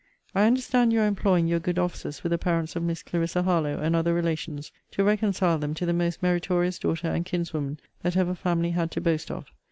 I understand you are employing your good offices with the parents of Miss Clarissa Harlowe, and other relations, to reconcile them to the most meritorious daughter and kinswoman that ever family had to boast of.